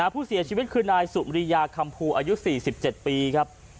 ผู้เสียชีวิตคือนายสุมริยาคำภูอายุ๔๗ปีครับ